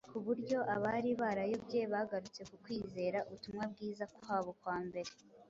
ku buryo abari barayobye bagarutse ku kwizera ubutumwa bwiza kwabo kwa mbere.